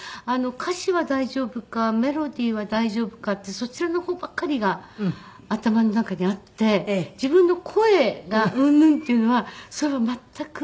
歌詞は大丈夫かメロディーは大丈夫かってそちらの方ばっかりが頭の中にあって自分の声がうんぬんというのはそれは全く。